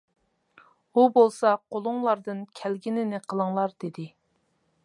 ئۇ بولسا: «قولۇڭلاردىن كەلگىنىنى قىلىڭلار» دېدى.